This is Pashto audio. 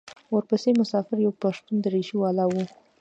ورپسې مسافر یو پښتون درېشي والا و.